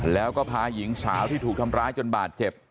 แล้วก็พาหญิงสาวที่ถูกทำร้ายจนบาดเจ็บ